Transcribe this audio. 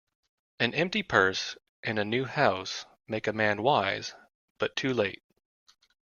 An empty purse, and a new house, make a man wise, but too late.